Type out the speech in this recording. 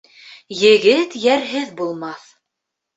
Егет йәрһеҙ булмаҫ.